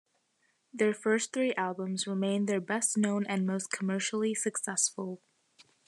Their first three albums remain their best-known and most commercially successful.